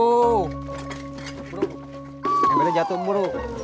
bro yang bener jatuh umur